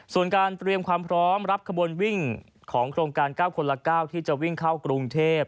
ส่วนการเตรียมความพร้อมรับขบวนวิ่งของโครงการ๙คนละ๙ที่จะวิ่งเข้ากรุงเทพ